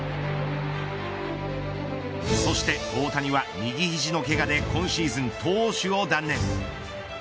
そして大谷は、右肘のけがで今シーズン投手を断念。